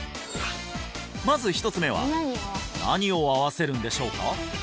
まず１つ目は何を合わせるんでしょうか？